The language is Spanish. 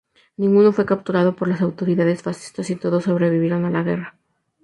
Ninguno fue capturado por las autoridades fascistas, y todos sobrevivieron a la guerra.